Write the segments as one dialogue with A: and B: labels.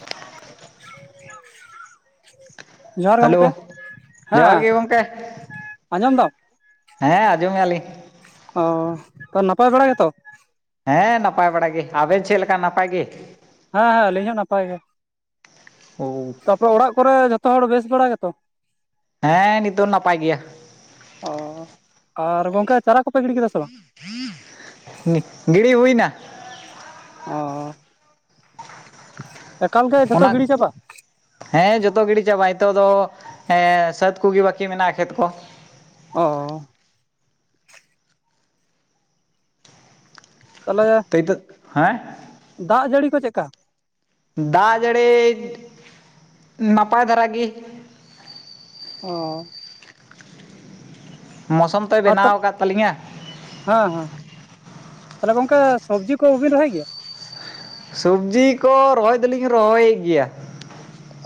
A: [unintelligible] ᱡᱚᱦᱟᱨ ᱜᱮ ᱜᱚᱝᱠᱮ
B: ᱦᱮᱞᱳ ᱡᱚᱦᱟᱨ
A: ᱦᱮᱸ
B: ᱜᱮ ᱜᱚᱢᱠᱮ
A: ᱟᱸᱡᱚᱢ ᱫᱟᱢ ᱾
B: ᱦᱮᱸ ᱟᱸᱡᱚᱢ ᱢᱮᱭᱟ ᱞᱤᱧ ᱾
A: ᱚᱻ ᱛᱚ ᱱᱟᱯᱟᱭ ᱵᱟᱲᱟ ᱜᱮᱛᱚ ᱾
B: ᱦᱮᱸ ᱱᱟᱯᱟᱭ ᱵᱟᱲᱟ ᱜᱮ ᱟᱹᱵᱮᱱ ᱪᱮᱫ ᱞᱮᱠᱟ ᱱᱟᱯᱟᱭ ᱜᱮ ᱾
A: ᱦᱮᱸ ᱦᱮᱸ ᱟᱹᱞᱤᱧ ᱦᱚᱸ ᱱᱟᱯᱟᱭ ᱜᱮ ᱾
B: ᱠᱚ [inaudible]
A: ᱛᱟᱯᱚᱨ ᱚᱲᱟᱜ ᱠᱚᱨᱮ ᱡᱚᱛᱚ ᱦᱚᱲ ᱵᱮᱥ ᱵᱟᱲᱟ ᱜᱮ ᱛᱚ ᱾
B: ᱦᱮᱸ ᱱᱤᱛᱚ ᱱᱟᱯᱟᱭ ᱜᱮᱸᱭᱟ ᱾
A: ᱚᱻ ᱟᱨ ᱜᱚᱝᱠᱮ ᱪᱟᱨᱟ ᱠᱚᱯᱮ ᱜᱤᱰᱤ ᱠᱮᱫᱟ ᱥᱮ ᱵᱟᱝ?
B: ᱜᱤᱲᱤ ᱦᱩᱭ ᱱᱟ ᱾
A: ᱚᱻ ᱮᱠᱟᱞ ᱜᱮ ᱡᱷᱚᱛᱚ
B: ᱚᱱᱟ
A: ᱜᱤᱲᱤ ᱪᱟᱵᱟᱜ ᱾
B: ᱦᱮᱸ ᱡᱚᱛᱚ ᱜᱤᱲᱤ ᱪᱟᱵᱟᱭ ᱱᱤᱛᱚᱜ ᱫᱚ ᱥᱟᱹᱛ ᱠᱚᱜᱮ ᱵᱟᱹᱠᱤ ᱢᱮᱱᱟᱜᱼᱟ ᱠᱷᱮᱛ ᱠᱚ ᱾
A: ᱚᱻ᱾ ᱛᱟᱦᱚᱞᱮ
B: ᱛᱚ ᱱᱤᱛᱚᱜ ᱦᱮᱸ
A: ᱫᱟᱜ ᱡᱟᱹᱲᱤ ᱠᱚ ᱪᱮᱫᱠᱟ?
B: ᱫᱟᱜ ᱡᱟᱹᱲᱤ ᱱᱟᱯᱟᱭ ᱫᱷᱟᱨᱟ ᱜᱮ ᱾
A: ᱚᱻ ᱾ [inaudible]
B: ᱢᱳᱥᱩᱢ ᱛᱚᱭ
A: ᱟᱨ ᱛᱟ
B: ᱵᱮᱱᱟᱣ ᱟᱠᱟᱫ ᱛᱟᱹᱞᱤᱧᱟ ᱾
A: ᱦᱮᱸ ᱦᱮᱸ ᱛᱟᱦᱚᱞᱮ ᱜᱚᱝᱠᱮ ᱥᱚᱵᱽᱡᱤ ᱠᱚᱵᱤᱱ ᱨᱚᱦᱚᱭ ᱜᱮᱭᱟ?
B: ᱥᱚᱵᱡᱤ ᱠᱚ ᱨᱚᱦᱚᱭ ᱫᱚᱞᱤᱧ ᱨᱚᱦᱚᱭᱮᱫ ᱜᱮᱭᱟ ᱾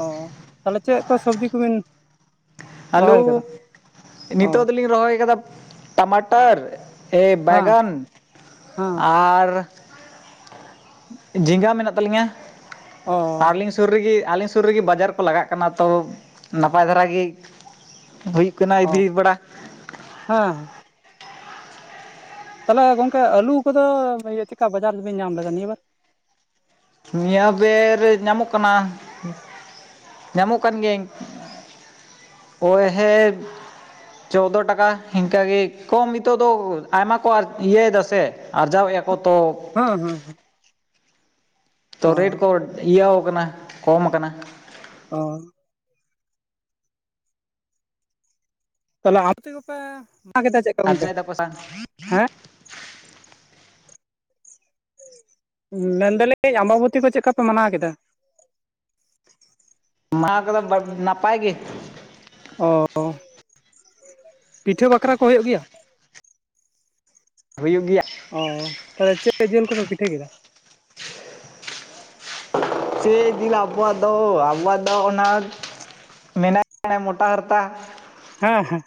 A: ᱚᱻ ᱛᱟᱦᱚᱞᱮ ᱪᱮᱫ ᱠᱚ ᱥᱚᱵᱽᱡᱤ ᱠᱚᱵᱤᱱ ᱾
B: ᱟᱞᱩ
A: ᱚ
B: ᱱᱤᱛᱚᱜ ᱫᱚᱞᱤᱧ ᱨᱚᱦᱚᱭ ᱟᱠᱟᱫᱟ ᱴᱟᱢᱟᱴᱟᱨ ᱾ ᱮ
A: ᱦᱮᱸ
B: ᱵᱟᱜᱟᱱ
A: ᱦᱮᱸ
B: ᱟᱨ ᱾ ᱡᱷᱤᱸᱜᱟᱹ ᱢᱮᱱᱟᱜ ᱛᱟᱹᱞᱤᱧᱟ
A: ᱚ
B: ᱟᱨᱞᱤᱧ ᱾ ᱥᱩᱨ ᱨᱮ ᱜᱮ ᱟᱞᱮ ᱥᱩᱨ ᱨᱮ ᱜᱮ ᱵᱟᱡᱟᱨ ᱠᱚ ᱞᱟᱜᱟᱜ ᱠᱟᱱᱟ ᱛᱚ ᱱᱟᱯᱟᱭ ᱫᱷᱟᱨᱟ ᱜᱮ ᱦᱩᱭᱩᱜ ᱾ ᱠᱚᱭᱤᱫᱤ ᱵᱟᱲᱟᱜ ᱾
A: ᱦᱮᱻ ᱾ ᱛᱟᱦᱚᱞᱮ ᱜᱚᱝᱠᱮ ᱟᱹᱞᱩ ᱠᱚᱫᱚ ᱤᱭᱟᱹ ᱠᱟ ᱵᱟᱡᱟᱨ ᱨᱮᱵᱮᱱ ᱧᱟᱢ ᱞᱮᱫᱟ ᱱᱤᱭᱟᱹ ᱵᱟᱨ ᱾
B: ᱱᱤᱭᱟᱹ ᱵᱮᱨ ᱧᱟᱢᱚᱜ ᱠᱟᱱᱟ ᱧᱟᱢᱚᱜ ᱠᱟᱱ ᱜᱤᱭᱟᱹᱧ ᱾ ᱚᱻ ᱦᱮᱸ᱾ ᱪᱳᱹᱫᱚ ᱴᱟᱠᱟ ᱤᱱᱠᱟᱹᱜᱮ ᱠᱚᱢ ᱱᱤᱛᱚᱜ ᱫᱚ ᱟᱭᱢᱟ ᱠᱚ ᱤᱭᱟᱹᱭᱮᱫᱟ ᱥᱮ ᱾ ᱟᱨᱡᱟᱣᱮᱜᱼᱟ ᱠᱚ ᱛᱚ᱾
A: ᱦᱮᱸ ᱦᱮᱸ ᱦᱮᱸ
B: ᱛᱚ
A: ᱚ
B: ᱨᱮᱹᱰ ᱠᱚ ᱤᱭᱟᱣᱠᱟᱱᱟ ᱠᱚᱢ ᱠᱟᱱᱟ᱾
A: ᱚ ᱛᱟᱦᱟᱞᱮ [unintelligible] ᱟᱢ ᱛᱮᱯᱮ ᱮ ᱠᱮᱫᱟ ᱪᱮᱫ ᱞᱮᱠᱟ ᱜᱚᱝᱠᱮ
B: ᱟᱨᱡᱟᱣ ᱫᱟᱠᱚ ᱥᱮ
A: ᱦᱮᱸ [inaudible] ᱢᱮᱱᱫᱟᱞᱤᱧ ᱟᱸᱵᱟᱵᱚᱛᱤ ᱠᱚ ᱪᱮᱫ ᱞᱮᱠᱟ ᱯᱮ ᱢᱟᱱᱟᱣ ᱠᱮᱫᱟ?
B: ᱢᱟ ᱠᱚᱫᱚ ᱱᱟᱯᱟᱭ ᱜᱤ
A: ᱚ ᱯᱤᱴᱷᱟᱹ ᱵᱟᱠᱷᱨᱟ ᱠᱚ ᱦᱳᱭᱳᱜ ᱜᱮᱭᱟ
B: ᱦᱩᱭᱩᱜ ᱜᱮᱭᱟ
A: ᱚᱻ ᱛᱟᱦᱞᱮ ᱪᱮᱫ ᱡᱤᱞ ᱠᱚᱯᱮ ᱯᱤᱴᱷᱟᱹ ᱠᱮᱫᱟ
B: ᱪᱮᱫ ᱡᱤᱞ ᱟᱵᱚᱣᱟᱜ ᱫᱚ ᱟᱵᱚᱣᱟᱜ ᱫᱚ ᱚᱱᱟ ᱢᱮᱱᱟᱜ ᱪᱮᱬᱮ ᱢᱚᱴᱟ ᱦᱟᱨᱛᱟ
A: ᱦᱮᱸ ᱦᱮᱸ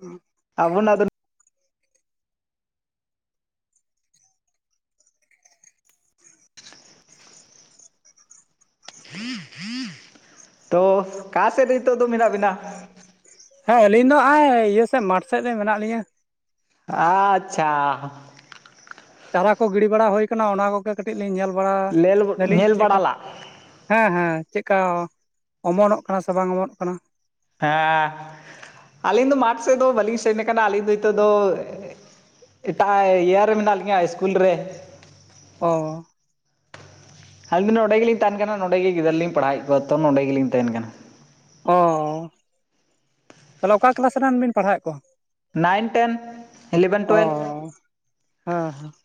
A: ᱦᱮᱸ [inaudible]
B: ᱟᱵᱩᱱ ᱟᱫᱚ ᱾ ᱛᱚ ᱚᱠᱟ ᱥᱮᱫ ᱨᱮ ᱱᱤᱛᱚᱜ ᱫᱚ ᱢᱮᱱᱟᱜ ᱵᱮᱱᱟ ᱾
A: ᱦᱮᱸ ᱟᱹᱞᱤᱧ ᱫᱚ ᱦᱚ ᱤᱭᱟᱹ ᱥᱮᱫ ᱢᱟᱴᱷ ᱥᱮᱫ ᱨᱮ ᱢᱮᱱᱟᱜ ᱞᱤᱧᱟᱹ ᱾
B: ᱟᱪᱷᱟᱻ ᱾
A: ᱪᱟᱨᱟ ᱠᱚ ᱜᱤᱲᱤ ᱵᱟᱲᱟ ᱦᱩᱭ ᱠᱟᱱᱟ ᱚᱱᱟ ᱠᱚᱜᱮ ᱠᱟᱴᱤᱡ ᱞᱤᱧ ᱧᱮᱞ ᱵᱟᱲᱟ
B: ᱞᱮᱞ
A: ᱫᱟᱞᱤᱧ
B: ᱧᱮᱞ
A: ᱪᱮᱫ ᱠᱟ
B: ᱵᱟᱲᱟᱞᱟᱜ
A: ᱦᱮᱸ ᱦᱮᱸ ᱪᱮᱫᱠᱟ ᱚᱢᱚᱱᱚᱜ ᱠᱟᱱᱟ ᱥᱮ ᱵᱟᱝ ᱚᱢᱚᱱᱚᱜ ᱠᱟᱱᱟ
B: ᱦᱮᱸ ᱟᱞᱤᱧ ᱫᱚ ᱢᱟᱴᱷ ᱥᱮᱫ ᱫᱚ ᱵᱟᱞᱤᱧ ᱥᱮᱱ ᱠᱟᱱᱟ ᱟᱞᱤᱧ ᱫᱚ ᱱᱤᱛᱚᱜ ᱫᱚ ᱮᱴᱟᱜ ᱤᱭᱟᱨᱮ ᱢᱮᱱᱟᱜ ᱞᱤᱧᱟ ᱤᱥᱠᱩᱞ ᱨᱮ
A: ᱚ
B: ᱟᱞᱤᱧ ᱫᱚ ᱱᱚᱰᱮ ᱜᱮᱞᱤᱧ ᱛᱟᱦᱮᱱ ᱠᱟᱱᱟ ᱱᱚᱰᱮ ᱜᱮ ᱜᱤᱫᱟᱹᱨ ᱞᱤᱧ ᱯᱟᱲᱦᱟᱣᱮᱫ ᱠᱚᱣᱟ ᱛᱚ ᱱᱚᱰᱮ ᱜᱮᱞᱤᱧ ᱛᱟᱦᱮᱱ ᱠᱟᱱᱟ
A: ᱚ ᱛᱟᱦᱞᱮ ᱚᱠᱟ ᱠᱮᱞᱟᱥ ᱨᱮᱱ ᱵᱤᱱ ᱯᱟᱲᱦᱟᱣᱮᱫ ᱠᱚᱣᱟ
B: ᱱᱟᱭᱤᱱ ᱴᱮᱱ ᱤᱞᱤᱵᱷᱮᱱ
A: ᱚ
B: ᱴᱩᱭᱮᱞᱵᱷ
A: ᱦᱮᱸ ᱦᱮᱸ [inaudible]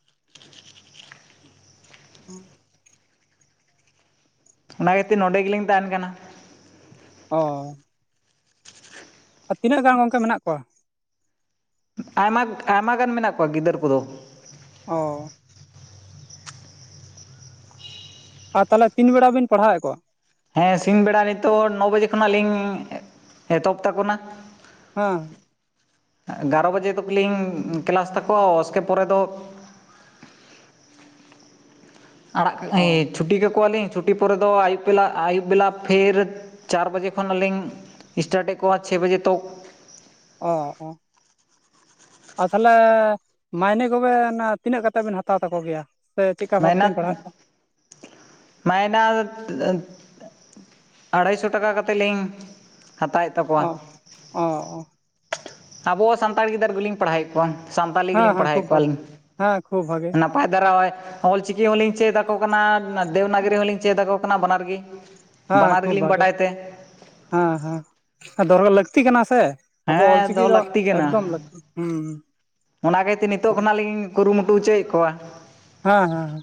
A: ᱦᱩᱸ
B: ᱚᱱᱟ ᱠᱷᱟᱹᱛᱤᱨ ᱱᱚᱰᱮ ᱜᱮᱞᱤᱧ ᱛᱟᱦᱮᱱ ᱠᱟᱱᱟ
A: ᱚᱻ ᱟᱨ ᱛᱤᱱᱟᱹᱜ ᱜᱟᱱ ᱜᱚᱝᱠᱮ ᱢᱮᱱᱟᱜ ᱠᱚᱣᱟ
B: ᱟᱭᱢᱟ ᱟᱭᱢᱟ ᱜᱟᱱ ᱢᱮᱱᱟᱜ ᱠᱚᱣᱟ ᱜᱤᱫᱟᱹᱨ ᱠᱚᱫᱚ
A: ᱚ ᱟᱨ ᱛᱟᱦᱞᱮ ᱛᱤᱱ ᱵᱮᱲᱟ ᱵᱤᱱ ᱯᱟᱲᱦᱟᱣᱮᱫ ᱠᱚᱣᱟ
B: ᱦᱮᱸ ᱥᱤᱧ ᱵᱮᱲᱟ ᱱᱤᱛᱚᱜ ᱱᱚ ᱵᱟᱡᱮ ᱠᱷᱚᱱᱟᱜ ᱞᱤᱧ ᱮᱛᱚᱦᱚᱵ ᱛᱟᱠᱚᱱᱟ
A: ᱦᱮᱸ
B: ᱮ ᱜᱟᱨᱚ ᱵᱟᱡᱮ ᱫᱚᱠᱚᱞᱤᱧ ᱠᱮᱞᱟᱥ ᱛᱟᱠᱚᱣᱟ ᱚᱥᱠᱮ ᱯᱚᱨᱮ ᱫᱚ ᱟᱲᱟᱜ
A: ᱚ
B: ᱪᱷᱩᱴᱤ ᱠᱟᱠᱚᱣᱟᱞᱤᱧ ᱪᱷᱩᱴᱤ ᱯᱚᱨᱮ ᱫᱚ ᱟᱭᱩᱵ ᱵᱮᱞᱟ ᱟᱭᱩᱵ ᱵᱮᱞᱟ ᱯᱷᱮᱨ ᱪᱟᱨ ᱵᱟᱡᱮ ᱠᱷᱚᱱᱟ ᱞᱤᱧ ᱥᱴᱟᱴᱮᱜ ᱠᱚᱣᱟ ᱪᱷᱮ ᱵᱟᱡᱮ ᱛᱚᱠ
A: ᱚ ᱚ ᱟᱨ ᱛᱟᱦᱞᱮ ᱢᱟᱭᱱᱮ ᱠᱚᱵᱮᱱ ᱛᱤᱱᱟᱹᱜ ᱠᱟᱛᱮᱫ ᱵᱮᱱ ᱦᱟᱛᱟᱣ ᱛᱟᱠᱚ ᱜᱮᱭᱟ ᱥᱮ ᱪᱮᱫᱠᱟ
B: ᱢᱟᱭᱱᱟ
A: ᱵᱷᱟᱵᱛᱮᱢ ᱯᱟᱲᱦᱟᱣᱮᱫ ᱠᱚᱣᱟ
B: ᱢᱟᱭᱱᱟ ᱟᱲᱦᱟᱭ ᱥᱚ ᱴᱟᱠᱟ ᱠᱟᱛᱮᱫ ᱞᱤᱧ ᱦᱟᱛᱟᱣᱮᱫ ᱛᱟᱠᱚᱣᱟ
A: ᱚ ᱚᱻ ᱚ
B: ᱟᱵᱚ ᱥᱟᱱᱛᱟᱲ ᱜᱤᱫᱟᱹᱨ ᱜᱤᱞᱤᱧ ᱯᱟᱲᱦᱟᱣᱮᱫ ᱠᱚᱣᱟ ᱥᱟᱱᱛᱟᱞᱤ
A: ᱦᱮᱸ
B: ᱜᱮᱞᱤᱧ
A: ᱦᱮᱸ ᱠᱷᱩᱵ
B: ᱯᱟᱲᱦᱟᱣᱮᱫ
A: ᱵᱷᱟᱜᱮ
B: ᱠᱚᱣᱟᱞᱤᱧ
A: ᱦᱮᱸ ᱠᱷᱩᱵ ᱵᱷᱟᱜᱮ
B: ᱱᱟᱯᱟᱭ ᱫᱟᱨᱟᱣᱟᱭ ᱚᱞ ᱪᱤᱠᱤ ᱦᱚᱸᱞᱤᱧ ᱪᱮᱫ ᱟᱠᱚ ᱠᱟᱱᱟ ᱫᱮᱵᱽᱱᱟᱜᱚᱨᱤ ᱦᱚᱸᱞᱤᱧ ᱪᱮᱫ ᱟᱠᱚ ᱠᱟᱱᱟ ᱵᱟᱱᱟᱨ ᱜᱤ
A: ᱦᱮᱸ ᱠᱷᱩᱵ ᱵᱷᱟᱜᱮ ᱦᱮᱸ ᱦᱮᱸ ᱫᱚᱨᱚ ᱞᱟᱹᱠᱛᱤ ᱠᱟᱱᱟ ᱥᱮ ᱟᱵᱚ
B: ᱦᱮᱸ
A: ᱚᱞᱪᱤᱠᱤ
B: ᱫᱚᱦᱚ
A: ᱫᱚ
B: ᱞᱟᱹᱠᱛᱤ
A: ᱮᱠᱫᱚᱢ ᱞᱟᱠᱛᱤ ᱦᱩᱸ
B: ᱚᱱᱟᱜᱮᱛᱮ ᱱᱤᱛᱚᱜ ᱠᱷᱚᱱᱟᱜ ᱞᱤᱧ ᱠᱩᱨᱩᱢᱩᱴᱩ ᱚᱪᱚᱭᱮᱫ ᱠᱚᱣᱟ
A: ᱦᱮᱸ ᱦᱮᱸᱻᱦᱮᱸ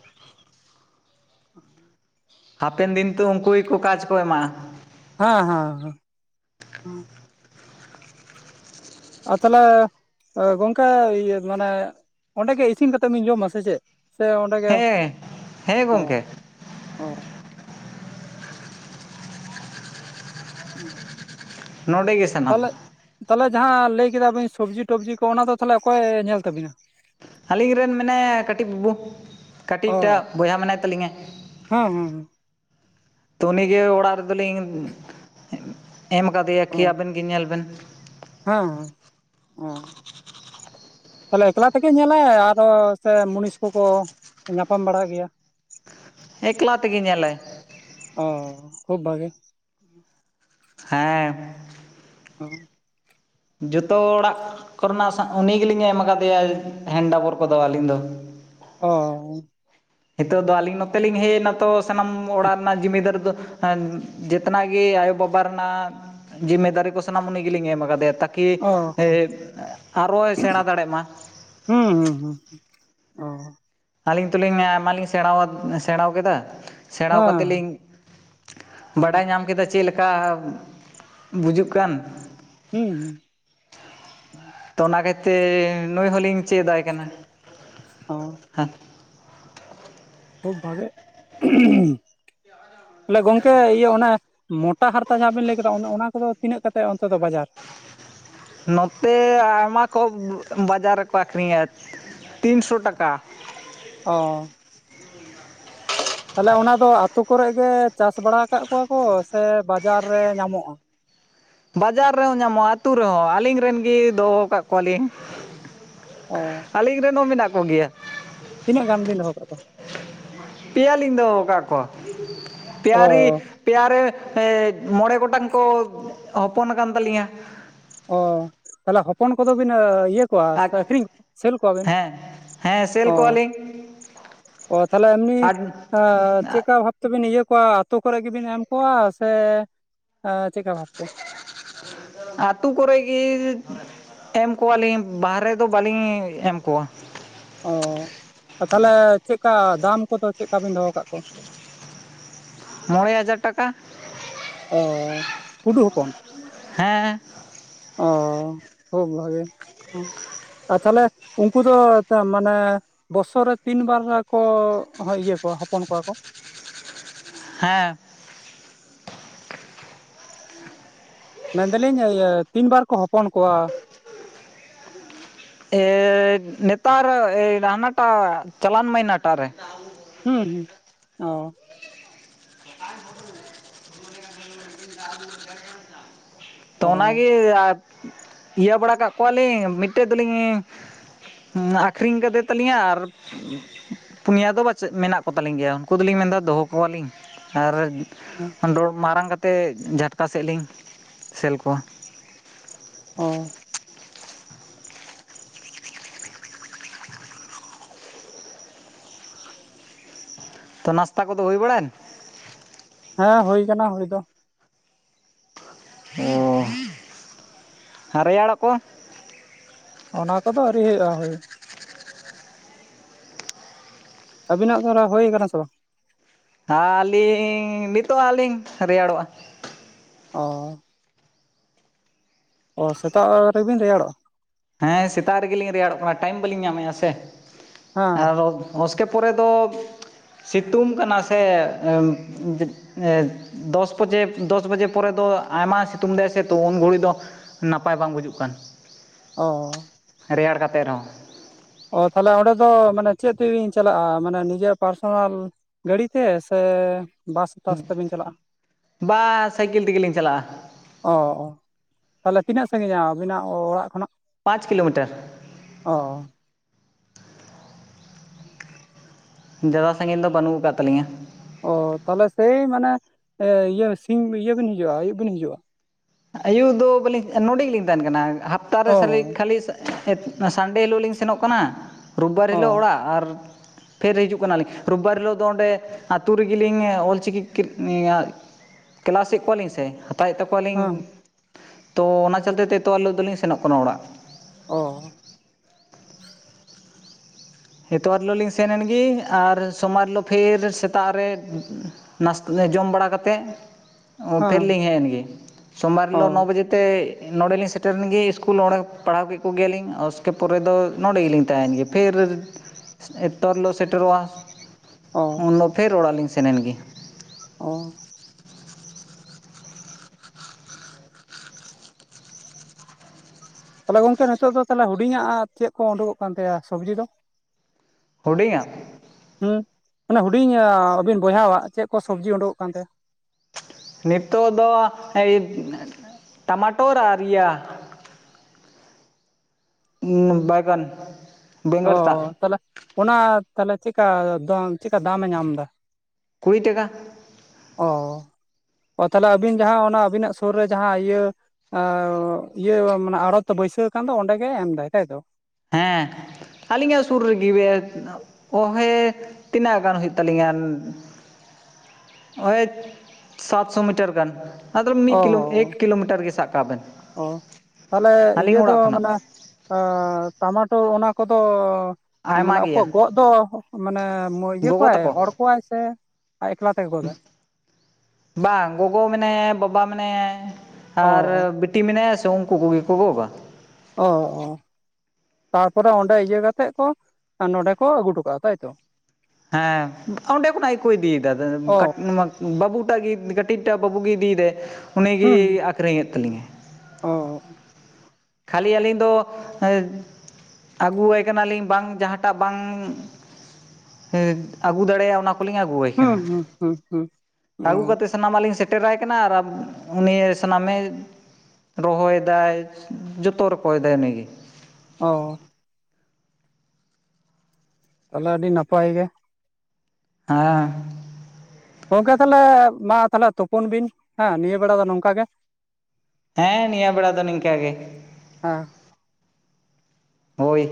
A: ᱦᱩᱸ [inaudible]
B: ᱦᱟᱯᱮᱱ ᱫᱤᱱ ᱛᱩ ᱩᱱᱠᱩ ᱜᱮᱠᱩ ᱠᱟᱡᱽ ᱠᱚ ᱮᱢᱟᱜᱼᱟ
A: ᱦᱮᱸ ᱦᱮᱸ ᱟᱨ ᱛᱟᱦᱞᱮ ᱜᱚᱝᱠᱮ ᱤᱭᱟᱹ ᱢᱟᱱᱮ ᱚᱸᱰᱮ ᱜᱮ ᱤᱥᱤᱱ ᱠᱟᱛᱮ ᱵᱤᱱ ᱡᱚᱢᱟ ᱥᱮ ᱪᱮᱫ ᱥᱮ ᱚᱸᱰᱮ ᱜᱮ
B: ᱦᱮᱸ ᱦᱮᱸ
A: ᱚ
B: ᱜᱚᱢᱠᱮ
A: ᱚ [unintelligible]
B: ᱱᱚᱰᱮ ᱜᱮ ᱥᱟᱱᱟᱢ
A: ᱛᱚᱞᱮᱜ ᱛᱟᱞᱮ ᱡᱟᱦᱟᱸ ᱞᱟᱹᱭ ᱠᱮᱫᱟ ᱵᱤᱱ ᱥᱚᱵᱽᱡᱤ ᱴᱚᱵᱡᱤ ᱠᱚ ᱚᱱᱟ ᱫᱚ ᱛᱟᱦᱚᱞᱮ ᱚᱠᱚᱭ ᱮ ᱧᱮᱞ ᱛᱟᱵᱤᱱᱟ
B: ᱟᱹᱞᱤᱧ ᱨᱮᱱ ᱢᱮᱱᱟᱭᱟ ᱠᱟᱹᱴᱤᱡ ᱵᱟᱹᱵᱩ
A: ᱚ
B: ᱠᱟᱹᱴᱤᱡᱴᱟᱜ ᱵᱚᱭᱦᱟ ᱢᱮᱱᱟᱭ ᱛᱟᱹᱟᱞᱤᱧᱟ
A: ᱦᱮᱸ
B: ᱛᱚ ᱩᱱᱤ ᱜᱮ ᱚᱲᱟᱜ ᱨᱮᱫᱚᱞᱤᱧ ᱮᱢ ᱠᱟᱫᱮᱭᱟ ᱠᱤ
A: ᱚ
B: ᱟᱵᱮᱱ ᱜᱤ ᱧᱮᱞ ᱵᱮᱱ
A: [unintelligible] ᱛᱟᱦᱚᱞᱮ ᱮᱠᱞᱟ ᱛᱮᱜᱮ ᱧᱮᱞᱟᱭ ᱟᱫᱚ ᱥᱮ ᱢᱩᱱᱤᱥ ᱠᱚᱠᱚ ᱧᱟᱯᱟᱢ ᱵᱟᱲᱟᱜ ᱜᱮᱭᱟ
B: ᱮᱠᱞᱟ ᱛᱮᱜᱤ ᱧᱮᱞᱟᱭ
A: ᱚ ᱠᱷᱩᱵ ᱵᱷᱟᱜᱮ
B: ᱦᱮᱸ
A: [unintelligible]
B: ᱡᱚᱛᱚ ᱚᱲᱟᱜ ᱠᱚᱨᱮᱱᱟᱜ ᱩᱱᱤ ᱜᱮᱞᱤᱧ ᱮᱢ ᱠᱟᱫᱮᱭᱟ ᱦᱮᱱᱰᱵᱚᱨ ᱠᱚᱫᱚ ᱟᱹᱞᱤᱧ ᱫᱚ
A: ᱚ
B: ᱱᱤᱛᱚᱜ ᱫᱚ ᱟᱹᱞᱤᱧ ᱱᱚᱛᱮᱞᱤᱧ ᱦᱮᱡ ᱮᱱᱟ ᱛᱚ ᱥᱟᱱᱟᱢ ᱚᱲᱟᱜ ᱨᱮᱱᱟᱜ ᱡᱤᱢᱤᱫᱟᱨᱤ ᱫᱚ ᱡᱮᱛᱮᱱᱟᱜ ᱜᱮ ᱟᱭᱳᱼᱵᱟᱵᱟ ᱨᱮᱱᱟᱜ ᱡᱤᱢᱤᱫᱟᱨᱤ ᱠᱚ ᱥᱟᱱᱟᱢ ᱩᱱᱤ ᱜᱮᱞᱤᱧ ᱮᱢ ᱠᱟᱫᱮᱭᱟ ᱛᱟ- ᱠᱤ
A: ᱚ
B: ᱦᱮ
A: ᱠᱷᱩᱵ
B: ᱟᱨᱚᱭ ᱥᱮᱬᱟ ᱫᱟᱲᱮᱜ ᱢᱟ
A: ᱦᱩᱸ ᱦᱩᱸ ᱦᱩᱸ ᱚ
B: ᱟᱹᱞᱤᱧ ᱛᱚᱞᱤᱧ ᱟᱭᱢᱟ ᱞᱤᱧ ᱥᱮᱬᱟᱫ ᱥᱮᱬᱟᱣ ᱠᱮᱫᱟ ᱥᱮᱬᱟᱣ ᱠᱟᱛᱮᱫ
A: ᱦᱮᱸ
B: ᱞᱤᱧ
A: ᱚ
B: ᱵᱟᱰᱟᱭ ᱧᱟᱢ ᱠᱮᱫᱟ ᱪᱮᱫ ᱞᱮ- ᱠᱟ ᱵᱩᱡᱩᱜ ᱠᱟᱱ
A: ᱦᱮᱸ ᱦᱮᱸ
B: ᱛᱚ ᱚᱱᱟ ᱠᱷᱟᱹᱛᱤᱨ ᱱᱩᱭ ᱦᱚᱞᱤᱧ ᱪᱮᱫᱟᱭ ᱠᱟᱱᱟ
A: ᱦ
B: [unintelligible]
A: ᱠᱷᱩᱵ ᱵᱷᱟᱜᱮ ᱛᱟᱦᱚᱞᱮ ᱜᱚᱝᱠᱮ ᱤᱭᱟᱹ ᱚᱱᱮ ᱢᱚᱴᱟ ᱦᱟᱨᱛᱟ ᱡᱟᱦᱟᱸ ᱵᱮᱱ ᱞᱟᱹᱭ ᱠᱮᱫᱟ ᱚᱱᱮ ᱚᱱᱟ ᱠᱚᱫᱚ ᱛᱤᱱᱟᱹᱜ ᱠᱟᱛᱮᱫ ᱚᱱᱛᱮ ᱫᱚ ᱵᱟᱡᱟᱨ
B: ᱱᱚᱛᱮ ᱟᱭᱢᱟ ᱠᱚ ᱵᱟᱡᱟᱨ ᱨᱮᱠᱚ ᱟᱠᱷᱨᱤᱧᱟ ᱛᱤᱱᱥᱚ ᱴᱟᱠᱟ
A: ᱚ ᱛᱟᱦᱞᱮ ᱚᱱᱟ ᱫᱚ ᱟᱹᱛᱩ ᱠᱚᱨᱮ ᱜᱮ ᱪᱟᱥ ᱵᱟᱲᱟ ᱟᱠᱟᱜ ᱠᱚᱣᱟ ᱠᱚ ᱥᱮ ᱵᱟᱡᱟᱨ ᱨᱮ ᱧᱟᱢᱚᱜᱼᱟ
B: ᱵᱟᱡᱟᱨ ᱨᱮᱦᱚᱸ ᱧᱟᱢᱚᱜᱼᱟ ᱟᱹᱛᱩ ᱨᱮᱦᱚᱸ ᱟᱹᱞᱤᱧ ᱨᱮᱱ ᱜᱮ ᱫᱚᱦᱚ ᱟᱠᱟᱫᱜ ᱠᱚᱣᱟᱞᱤᱧ
A: ᱚ
B: ᱟᱹᱞᱤᱧ ᱨᱮᱱ ᱦᱚᱸ ᱢᱮᱱᱟᱜ ᱠᱚ ᱜᱮᱭᱟ
A: ᱛᱤᱱᱟᱹᱜ ᱜᱟᱱ ᱵᱤᱱ ᱫᱚᱦᱚ ᱠᱟᱜ ᱠᱚᱣᱟ
B: ᱯᱮᱭᱟᱞᱤᱧ ᱫᱚᱦᱚᱠᱟ ᱠᱚᱣᱟ ᱯᱮᱭᱟᱨᱤ
A: ᱚ
B: ᱯᱮᱭᱮ ᱨᱮ ᱢᱚᱬᱮ ᱜᱚᱴᱟᱝ ᱠᱚ ᱦᱚᱯᱚᱱ ᱟᱠᱟᱱ ᱛᱟᱹᱞᱤᱧᱟ
A: ᱚ ᱛᱟᱦᱚᱞᱮ ᱦᱚᱯᱚᱱ ᱠᱚᱫᱚ ᱵᱤᱱ ᱤᱭᱟᱹ ᱠᱚᱣᱟ
B: ᱟᱨ
A: ᱥᱮ ᱟᱹᱠᱷᱨᱤᱧ ᱠᱚᱣᱟ ᱥᱮᱞ ᱠᱚᱣᱟᱵᱤᱱ
B: ᱦᱮᱸ ᱦᱮᱸ ᱥᱮᱞ
A: ᱚ
B: ᱠᱚᱣᱟᱞᱤᱧ
A: ᱚ ᱛᱟᱦᱚᱞᱮ ᱮᱢᱱᱤ
B: ᱟᱨ
A: ᱪᱮᱫᱠᱟ ᱵᱷᱟᱯ ᱛᱚᱵᱤᱱ ᱤᱭᱟᱹ ᱠᱚᱣᱟ ᱟᱛᱩ ᱠᱚᱨᱮ ᱜᱮᱵᱤᱱ ᱮᱢ ᱠᱚᱣᱟ ᱥᱮ ᱪᱮᱫᱠᱟ ᱵᱷᱟᱵ ᱛᱮ
B: [unintelligible] ᱟᱛᱩ ᱠᱚᱨᱮ ᱜᱤ ᱮᱢ ᱠᱚᱣᱟᱞᱤᱧ ᱵᱟᱦᱨᱮ ᱫᱚ ᱵᱟᱹᱞᱤᱧ ᱮᱢ ᱠᱚᱣᱟ
A: ᱚ ᱛᱟᱦᱞᱮ ᱪᱮᱫᱠᱟ ᱫᱟᱢ ᱠᱚᱫᱚ ᱪᱮᱫᱠᱟ ᱵᱤᱱ ᱫᱚᱦᱚ ᱠᱟᱜ ᱠᱚᱣᱟ
B: ᱢᱚᱬᱮ ᱦᱟᱡᱟᱨ ᱴᱟᱠᱟ
A: ᱚ ᱠᱩᱰᱩ ᱦᱚᱯᱚᱱ
B: ᱦᱮᱸ
A: ᱚ ᱠᱷᱩᱵ ᱵᱷᱟᱜᱤ ᱟᱨ ᱛᱟᱦᱚᱞᱮ ᱩᱱᱠᱩ ᱫᱚ ᱛ ᱢᱟᱱᱮ ᱵᱚᱨᱥᱚ ᱨᱮ ᱛᱤᱱ ᱵᱟᱨ ᱠᱚ ᱤᱭᱟᱹ ᱠᱚᱣᱟ ᱦᱚᱯᱚᱱ ᱠᱚᱣᱟ ᱠᱚ
B: ᱦᱮᱸ
A: ᱢᱮᱱᱫᱟᱞᱤᱧ ᱤᱭᱟᱹ ᱛᱤᱱ ᱵᱟᱨ ᱠᱚ ᱦᱚᱯᱚᱱ ᱠᱚᱣᱟ
B: ᱮ ᱱᱮᱛᱟᱨ ᱦᱟᱱᱟᱴᱟᱜ ᱪᱟᱞᱟᱣᱮᱱ ᱢᱟᱹᱦᱤᱱᱟᱹ ᱴᱟᱜ ᱨᱮ
A: ᱦᱩᱸ ᱦᱩᱸ ᱚ
B: [inaudible] ᱛᱚ
A: ᱚ
B: ᱚᱱᱟᱜᱮ ᱤᱭᱟᱹ ᱵᱟᱲᱟ ᱠᱟᱜ ᱠᱚᱣᱟᱞᱤᱧ ᱢᱤᱫᱴᱟᱹᱝ ᱫᱚ ᱞᱤᱧ ᱦᱮᱸ ᱟᱠᱷᱨᱤᱧ ᱠᱟᱫᱮ ᱛᱟᱞᱤᱧᱟ ᱟᱨ ᱯᱩᱱᱭᱟ ᱫᱚ ᱵᱟᱪ ᱢᱮᱱᱟᱜ ᱠᱚᱛᱟᱞᱤᱧ ᱜᱮᱭᱟ ᱩᱱᱠᱩ ᱫᱚᱞᱤᱧ ᱢᱮᱱᱫᱟ ᱫᱚᱦᱚ ᱠᱚᱣᱟᱞᱤᱧ ᱟᱨ
A: ᱵᱟᱝ ᱵᱩᱡᱷᱟᱹᱜ ᱠᱟᱱᱟ [unintelligible]
B: ᱢᱟᱨᱟᱝ ᱠᱟᱛᱮᱫ ᱡᱷᱟᱴᱠᱟ ᱥᱮᱫ ᱞᱤᱧ ᱥᱮᱞ ᱠᱚᱣᱟ
A: ᱚ
B: ᱛᱚ ᱱᱟᱥᱛᱟ ᱠᱚᱫᱚ ᱦᱩᱭ ᱵᱟᱲᱟᱭᱮᱱᱟ
A: ᱦᱮᱸ ᱦᱩᱭ ᱟᱠᱟᱱᱟ ᱦᱩᱭ ᱫᱚ
B: ᱚ ᱟᱨ ᱨᱮᱭᱟᱲᱚᱜ ᱠᱚ
A: ᱚᱱᱟ ᱠᱚᱫᱚ ᱟᱹᱣᱨᱤ ᱦᱩᱭᱩᱜᱼᱟ ᱦᱳᱭ ᱟᱵᱤᱱᱟᱜ ᱚᱱᱟ ᱦᱩᱭ ᱟᱠᱟᱱᱟ ᱥᱮ ᱵᱟᱝ
B: ᱟᱹᱞᱤᱧ ᱱᱤᱛᱚᱜ ᱦᱟᱜ ᱞᱤᱧ ᱨᱮᱭᱟᱲᱚᱜᱼᱟ
A: ᱚ ᱚ ᱥᱮᱛᱟᱜ ᱨᱮ ᱵᱤᱱ ᱨᱮᱭᱟᱲᱚᱜᱼᱟ
B: ᱦᱮᱸ ᱥᱮᱛᱟᱜ ᱨᱮᱜᱮ ᱞᱤᱧ ᱨᱮᱭᱟᱲᱚᱜ ᱠᱟᱱᱟ ᱴᱟᱭᱤᱢ ᱵᱟᱹᱞᱤᱧ ᱧᱟᱢᱮᱫᱼᱟ ᱥᱮ
A: ᱦᱮᱸ
B: ᱟᱨᱚ ᱩᱥᱠᱮ ᱯᱚᱨᱮ ᱫᱚ ᱥᱤᱛᱩᱝ ᱠᱟᱱᱟ ᱥᱮ ᱫᱚᱥ ᱵᱟᱡᱮ ᱫᱚᱥ ᱵᱟᱡᱮ ᱯᱚᱨᱮ ᱫᱚ ᱟᱭᱢᱟ ᱥᱤᱛᱩᱝ ᱞᱮᱫᱼᱟ ᱥ ᱩᱱ ᱜᱷᱲᱤ ᱫᱚ ᱱᱟᱯᱟᱭ ᱵᱟᱝ ᱵᱩᱡᱩᱜ ᱠᱟᱱ
A: ᱚ
B: ᱨᱮᱭᱟᱲ ᱠᱟᱛᱮᱫ ᱨᱮᱦᱚᱸ
A: ᱚ ᱛᱟᱦᱚᱞᱮ ᱚᱸᱰᱮ ᱫᱚ ᱢᱟᱱᱮ ᱪᱮᱫ ᱛᱮᱵᱤᱱ ᱪᱟᱞᱟᱜᱼᱟ ᱢᱟᱱᱮ ᱱᱤᱡᱮᱨ ᱯᱟᱨᱥᱚᱱᱟᱞ ᱜᱟᱹᱲᱤ ᱛᱮ ᱥᱮ ᱵᱟᱥ ᱴᱟᱥ ᱛᱮᱵᱤᱱ ᱪᱟᱞᱟᱜᱼᱟ
B: ᱵᱟ ᱥᱟᱭᱠᱮᱞ ᱛᱮᱜᱮ ᱞᱤᱧ ᱪᱟᱞᱟᱜᱼᱟ
A: ᱚ ᱛᱟᱦᱚᱞᱮ ᱛᱤᱱᱟᱹᱜ ᱥᱟᱺᱜᱤᱧᱟ ᱟᱵᱤᱱᱟᱜ ᱚᱲᱟᱜ ᱠᱷᱚᱱᱟᱜ
B: ᱯᱟᱸᱪ ᱠᱤᱞᱳᱢᱤᱴᱟᱨ
A: ᱚ
B: ᱡᱟᱫᱟ ᱥᱟᱺᱜᱤᱧ ᱫᱚ ᱵᱟᱹᱱᱩᱜ ᱟᱠᱟ ᱛᱟᱞᱤᱧᱟᱹ
A: ᱚ ᱛᱟᱦᱚᱞᱮ ᱥᱮᱭ ᱢᱟᱱᱮ ᱤᱭᱟᱹ ᱥᱤᱧ ᱤᱭᱟᱹ ᱵᱤᱱ ᱦᱤᱡᱩᱜᱼᱟ ᱟᱹᱭᱩᱵ ᱵᱤᱱ ᱦᱤᱡᱩᱜᱼᱟ
B: ᱟᱭᱩᱵ ᱫᱚ ᱵᱟᱝ ᱱᱚᱰᱮ ᱜᱮᱞᱤᱧ ᱛᱟᱦᱮᱱ ᱠᱟᱱᱟ ᱦᱟᱯᱛᱟ
A: ᱚ
B: ᱨᱮ ᱠᱷᱟᱹᱞᱤ ᱥᱟᱱᱰᱮ ᱦᱤᱞᱳᱜ ᱞᱤᱧ ᱥᱮᱱᱚᱜ ᱠᱟᱱᱟ ᱨᱳᱵᱵᱟᱨ ᱦᱤᱞᱳᱜ
A: ᱚ
B: ᱚᱲᱟᱜ ᱟᱨ ᱯᱷᱤᱨ ᱦᱤᱡᱩᱜ ᱠᱟᱱᱟ ᱞᱤᱧ ᱨᱳᱵᱵᱟᱨ ᱦᱤᱞᱳᱜ ᱫᱚ ᱚᱸᱰᱮ ᱟᱹᱛᱩ ᱨᱮᱜᱮ ᱞᱤᱧ ᱚᱞᱪᱤᱠᱤ ᱠᱮᱞᱟᱥ ᱮᱫ ᱠᱚᱣᱟ ᱞᱤᱧ ᱥᱮ ᱦᱟᱛᱟᱣ ᱮᱫ ᱛᱟᱠᱚᱣᱟ ᱠᱚᱣᱟᱞᱤᱧ
A: ᱦᱮᱸ
B: ᱛᱚ ᱚᱱᱟ ᱪᱚᱞᱛᱮ ᱛᱮ ᱛᱚ ᱦᱤᱞᱳᱜ ᱫᱚᱞᱤᱧ ᱥᱮᱱᱚᱜ ᱠᱟᱱᱟ ᱚᱲᱟᱜ᱾
A: ᱚᱻ
B: ᱮᱛᱣᱟᱨ ᱦᱤᱞᱳᱜ ᱞᱤᱧ ᱥᱮᱱ ᱮᱱᱜᱮ ᱟᱨ ᱥᱳᱢᱟᱨ ᱦᱤᱞᱳᱜ ᱯᱷᱤᱨ ᱥᱮᱛᱟᱜ ᱨᱮ ᱱᱟᱥᱛᱟ ᱡᱚᱢ ᱵᱟᱲᱟ ᱠᱟᱛᱮᱫ ᱦᱚᱴᱮᱞ
A: ᱦᱮᱸ
B: ᱞᱤᱧ ᱦᱮᱡ ᱮᱱᱜᱮ ᱥᱳᱢᱟᱨ
A: ᱚ
B: ᱦᱤᱞᱳ ᱱᱚ ᱵᱟᱡᱮ ᱛᱮ ᱱᱚᱸᱰᱮᱞᱤᱧ ᱥᱮᱴᱮᱨᱨᱮᱱ ᱜᱮ ᱤᱥᱠᱩᱞ ᱚᱸᱰᱮ ᱯᱟᱲᱦᱟᱣ ᱠᱮᱫ ᱠᱚᱜᱮᱭᱟᱞᱤᱧ ᱩᱥᱠᱮ ᱯᱚᱨᱮ ᱫᱚ ᱱᱚᱸᱰᱮ ᱜᱮ ᱞᱤᱧ ᱛᱟᱦᱮ ᱭᱮᱱ ᱜᱮᱭᱟ ᱯᱷᱤᱨ ᱮᱛᱣᱟᱨ ᱦᱤᱞᱚᱜ ᱥᱮᱴᱮᱨᱚᱜᱼᱟ
A: ᱚ
B: ᱩᱱᱫᱚ ᱯᱷᱤᱨ ᱚᱲᱟᱜ ᱞᱤᱧ ᱥᱮᱱᱮᱱ ᱜᱮ
A: ᱚ ᱛᱟᱦᱚᱞᱮ ᱜᱚᱝᱠᱮ ᱱᱤᱛᱚᱜ ᱫᱚ ᱛᱟᱦᱚᱞᱮ ᱦᱩᱰᱤᱧᱟᱜ ᱪᱮᱫ ᱠᱚ ᱩᱰᱩᱠᱚᱜ ᱠᱟᱱ ᱛᱟᱭᱟ ᱥᱚᱵᱽᱡᱤ ᱫᱚ
B: ᱦᱩᱰᱤᱧᱟᱜ
A: ᱦᱩᱸ ᱢᱟᱱᱮ ᱦᱩᱰᱤᱧ ᱟᱹᱵᱤᱱ ᱵᱚᱭᱦᱟᱼᱟᱜ ᱪᱮᱫ ᱠᱚ ᱥᱚᱵᱽᱡᱤ ᱩᱰᱩᱠᱚᱜ ᱠᱟᱱ ᱛᱟᱭᱟ
B: ᱱᱤᱛᱚᱜ ᱫᱚ ᱮᱭ ᱴᱟᱢᱟᱴᱳᱚᱨ ᱟᱨ ᱤᱭᱟᱹ᱾
A: [inaudible]
B: ᱩᱸ ᱵᱟᱹᱭᱜᱟᱹᱱ
A: ᱚ ᱛᱟᱦᱞᱮ ᱚᱱᱟ ᱛᱟᱦᱞᱮ ᱪᱮᱫᱠᱟ ᱫᱟ ᱪᱮᱫᱠᱟ ᱫᱟᱢᱮ ᱧᱟᱢᱫᱟ᱾
B: ᱠᱩᱲᱤ ᱴᱟᱠᱟ᱾
A: ᱚ ᱚᱛᱟᱦᱞᱮ ᱟᱹᱵᱤᱱ ᱡᱟᱦᱟᱸ ᱚᱱᱟ ᱟᱹᱵᱤᱱᱟᱜ ᱥᱩᱨ ᱨᱮ ᱡᱟᱦᱟᱸ ᱤᱭᱟᱹ ᱟᱸ ᱤᱭᱟᱹ ᱢᱮ ᱟᱲᱚᱛ ᱫᱚ ᱵᱟᱹᱭᱥᱟᱹᱣ ᱠᱟᱱ ᱫᱚ ᱚᱸᱰᱮ ᱜᱮ ᱮᱢᱫᱟᱭ ᱛᱟᱭ ᱛᱚ?
B: ᱦᱮᱸ ᱟᱹᱞᱤᱧᱟᱜ ᱥᱩᱨ ᱨᱮᱜᱮ ᱚ ᱦᱮ ᱛᱤᱱᱟᱹᱜ ᱜᱟᱱ ᱦᱩᱭᱩᱜ ᱛᱟᱹᱟᱞᱤᱧᱟ ᱳᱼᱭ ᱥᱟᱛᱥᱚ ᱢᱤᱴᱟᱨ ᱜᱟᱱ᱾ ᱟᱫᱚ ᱢᱤᱫ
A: ᱚ
B: ᱠᱤᱞᱳ ᱮᱠ ᱠᱤᱞᱳᱢᱤᱴᱟᱨ ᱜᱮ ᱥᱟᱵ ᱠᱟᱜ ᱵᱮᱱ
A: ᱚ
B: ᱟᱹᱞᱤᱧᱟᱜ ᱚᱲᱟᱜ ᱠᱷᱚᱱᱟᱜ᱾
A: ᱮ ᱴᱟᱢᱟᱴᱳ ᱚᱱᱟ ᱠᱚᱫᱚ ᱢᱟᱱᱮ
B: ᱟᱭᱢᱟ ᱜᱮᱭᱟ
A: ᱚᱠᱚᱭ ᱜᱚᱜ ᱫᱚ ᱢᱟᱱᱮ ᱢᱩᱞᱤᱭᱟᱹ
B: ᱜᱚᱜᱚ
A: ᱠᱚᱣᱟᱭ
B: ᱛᱟᱠᱚ
A: ᱦᱚᱲ ᱠᱚᱣᱟᱭ ᱥᱮ ᱮᱠᱞᱟ ᱛᱮᱜᱮ ᱜᱚᱫᱟᱭ?
B: ᱵᱟᱝ ᱜᱚᱜᱚ ᱢᱮᱱᱟᱭᱟ, ᱵᱟᱵᱟ ᱢᱮᱱᱟᱭᱟ,
A: ᱚ
B: ᱟᱨ
A: ᱚ
B: ᱵᱤ ᱵᱤᱴᱤ ᱢᱮᱱᱟᱭᱟ ᱥᱮ ᱩᱱᱠᱩ ᱠᱚᱜᱮ ᱠᱚ ᱜᱚᱜᱼᱟ᱾
A: ᱚᱻ ᱚᱻ᱾ ᱛᱟᱨᱯᱚᱨᱮ ᱚᱸᱰᱮ ᱤᱭᱟᱹ ᱠᱟᱛᱮᱜ ᱠᱚ ᱱᱚᱰᱮ ᱠᱚ ᱟᱹᱜᱩ ᱦᱚᱴ ᱠᱟᱜᱼᱟ ᱛᱟᱭᱛᱚ?
B: ᱦᱮᱸ ᱚᱸᱰᱮ ᱠᱷᱚᱱᱟᱜ ᱜᱮᱠᱚ ᱤᱫᱤᱭᱮᱫᱟ᱾
A: ᱚ
B: ᱵᱟᱹᱵᱩᱴᱟᱜ ᱜᱤ ᱠᱟᱹᱴᱤᱡᱴᱟᱜ ᱵᱟᱹᱵᱩᱜᱮᱭ ᱤᱫᱤᱭᱮᱫᱟᱭ ᱩᱱᱤᱜᱮ ᱟᱠᱷᱨᱤᱧᱮᱫ ᱛᱟᱹᱞᱤᱧᱟᱭ᱾
A: ᱚᱸᱻ᱾
B: ᱠᱷᱟᱹᱞᱤ ᱟᱹᱞᱤᱧ ᱫᱚ ᱟᱹᱜᱩᱭᱟᱭ ᱠᱟᱱᱟᱞᱤᱧ ᱵᱟᱝ ᱡᱟᱦᱟᱸᱴᱟᱜ ᱵᱟᱝ ᱥᱮ ᱟᱹᱜᱩ ᱫᱟᱲᱮᱭᱟᱜᱼᱟ, ᱚᱱᱟ ᱠᱚ᱾ ᱠᱩᱞᱤᱝ ᱟᱹᱜᱩᱭᱟᱭᱟ᱾
A: ᱦᱩᱸᱻ ᱦᱩᱸᱻ ᱦᱩᱸᱻ ᱦᱩᱸᱻ᱾
B: ᱟᱹᱜᱩ ᱠᱟᱛᱮᱫ ᱥᱟᱱᱟᱢᱟᱜ ᱞᱤᱧ ᱥᱮᱴᱮᱨᱟᱭ ᱠᱟᱱᱟ, ᱟᱨ ᱩᱱᱤ ᱥᱟᱱᱟᱢᱮ ᱨᱚᱦᱚᱭᱮᱫᱟᱭ ᱡᱚᱛᱚ ᱨᱚᱠᱚᱭᱮᱫᱟᱭ ᱩᱱᱤᱜᱮ
A: ᱚᱸᱻ᱾ ᱛᱟᱦᱚᱞᱮ ᱟᱹᱰᱤ ᱱᱟᱯᱟᱭ ᱜᱮ᱾
B: ᱦᱟᱸᱻ᱾
A: ᱜᱚᱝᱠᱮ ᱛᱟᱦᱚᱞᱮ ᱢᱟ ᱛᱟᱦᱚᱞᱮ ᱛᱩᱯᱩᱱ ᱵᱤᱱ ᱦᱮᱸ ᱱᱤᱭᱟᱹ ᱵᱮᱲᱟ ᱫᱚ ᱱᱚᱝᱠᱟ ᱜᱮ᱾
B: ᱦᱮᱸ ᱱᱤᱭᱟᱹ ᱵᱮᱲᱟ ᱫᱚ ᱱᱤᱝᱠᱟᱹ ᱜᱮ
A: ᱦᱮᱸ
B: ᱦᱳᱭ᱾